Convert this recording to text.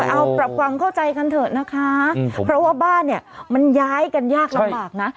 เอาปรับความเข้าใจกันเถอะนะคะเพราะว่าบ้านเนี่ยมันย้ายกันยากลำบากนะ